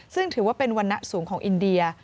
ซึ่งถือว่าเป็นวรรณะสูงของอินเดีย